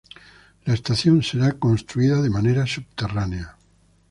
La estación será construida de manera subterránea.